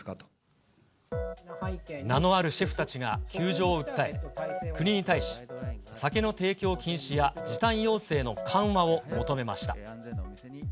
名のあるシェフたちが窮状を訴え、国に対し、酒の提供禁止や時短要請の緩和を求めました。